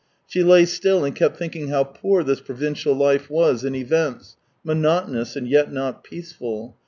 She lay still and kept thinking how poor this provincial life was in events, monotonous and yet not peaceful.